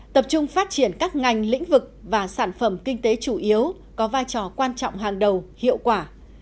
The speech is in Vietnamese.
tập trung phát triển các ngành lĩnh vực và sản phẩm kinh tế chủ yếu có vai trò quan trọng hàng đầu hiệu quả